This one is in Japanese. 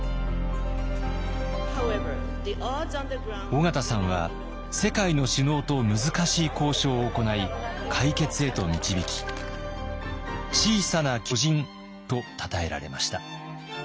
緒方さんは世界の首脳と難しい交渉を行い解決へと導き「小さな巨人」とたたえられました。